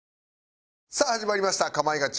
さあ始まりました『かまいガチ』。